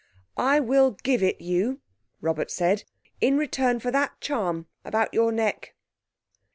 "I will give it to you," Robert said, "in return for that charm about your neck."